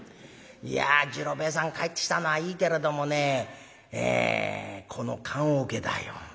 「いや次郎兵衛さん帰ってきたのはいいけれどもねこの棺おけだよ。